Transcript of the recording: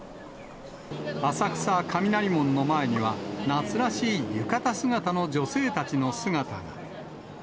浅草・雷門の前には、夏らしい浴衣姿の女性たちの姿が。